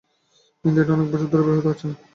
কিন্তু এটা অনেক বছর ধরে ব্যবহৃত হচ্ছে না।